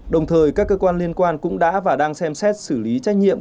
đồng thời các cơ quan liên quan cũng đã và đang xem xét xử lý trách nhiệm